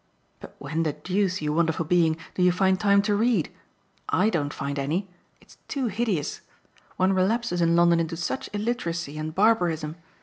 But when the deuce, you wonderful being, do you find time to read? I don't find any it's too hideous. One relapses in London into such illiteracy and barbarism.